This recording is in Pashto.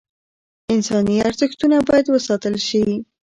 انساني ارزښتونه باید وساتل شي.